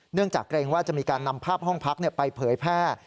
จากเกรงว่าจะมีการนำภาพห้องพักไปเผยแพร่